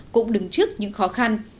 cũng đứng trước những khó khăn